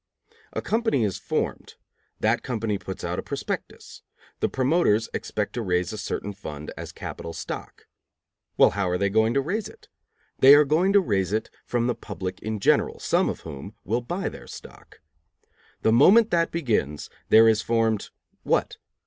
A company is formed; that company puts out a prospectus; the promoters expect to raise a certain fund as capital stock. Well, how are they going to raise it? They are going to raise it from the public in general, some of whom will buy their stock. The moment that begins, there is formed what?